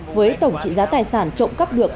với tổng trị giá tài sản trộm cắp được